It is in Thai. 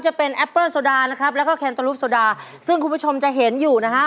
จะเป็นแอปปและและแค้มตาลูปซาร์ซึ่งคุณผู้ชมจะเห็นอยู่นะฮะ